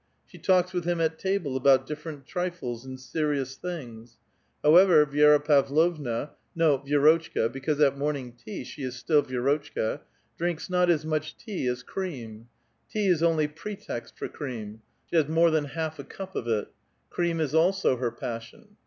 '' She talks with him at table about dillerent trifles and serious things ; however, Viera l*avl<)vna — no, Vierotchka, because at morning tea she is siill Vierotchka — drinks not as much tea as cream; tea is oidy pretext for cream, she has more than half a cup of it ; cream is also her |)asbion.